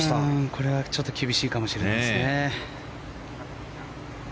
これはちょっと厳しいかもしれないですね。